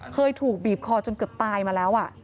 เคยถูกบีบคอจนเกือบตายมาแล้ว